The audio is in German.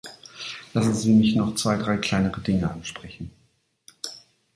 Lassen Sie mich noch zwei, drei kleinere Dinge ansprechen.